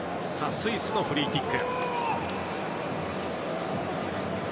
スイスのフリーキック。